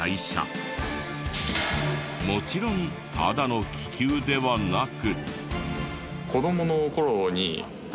もちろんただの気球ではなく。